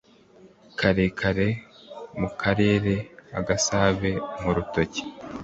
Karekare Mukakarema-Agasave mu rutoki.